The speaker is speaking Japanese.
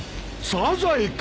サザエか。